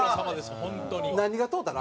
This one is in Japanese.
何が通ったの？